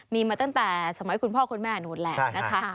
มีมาตั้งแต่สมัยคุณพ่อคุณแม่นู้นแหละนะคะ